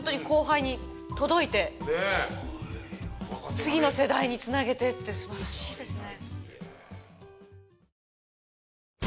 次の世代に繋げてって素晴らしいですね。